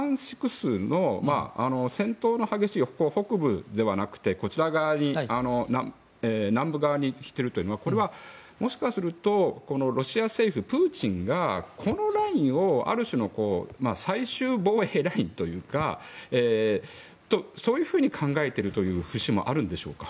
州の戦闘の激しい北部ではなくて南部側に来てるというのはもしかするとロシア政府やプーチンが、このラインをある種の最終防衛ラインというかそういうふうに考えているという節もあるんでしょうか。